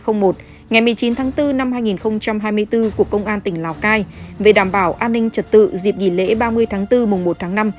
ngày một mươi chín tháng bốn năm hai nghìn hai mươi bốn của công an tỉnh lào cai về đảm bảo an ninh trật tự dịp nghỉ lễ ba mươi tháng bốn mùng một tháng năm